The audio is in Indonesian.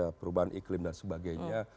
karena ada perubahan iklim dan sebagainya